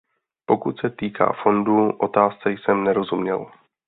Pokud se týká fondů, otázce jsem nerozuměl.